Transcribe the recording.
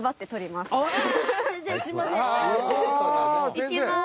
いきます！